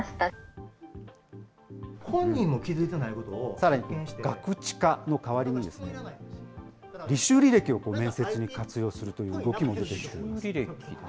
さらに、ガクチカの代わりに、履修履歴を面接に活用するという動きも出てきています。